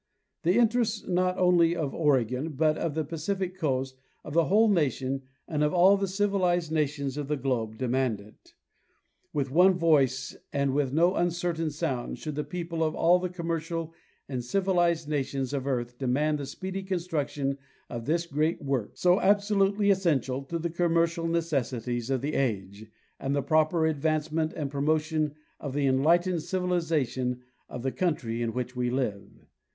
The interests not only of Oregon, but of the Pacific coast, of the whole nation, and of all the civilized nations of the 282 John H. Mitchell—Oregon globe demand it. With one voice and with no uncertain sound should the people of all the commercial and civilized nations of the earth demand the speedy construction of this great work, so absolutely essential to the commercial necessities of the age and the proper advancement and promotion of the enlightened civili zation of the century in which we live.